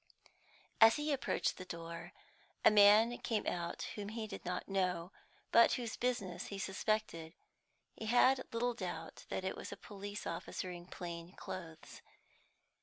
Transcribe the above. As he approached the door, a man came out whom he did not know, but whose business he suspected. He had little doubt that it was a police officer in plain clothes.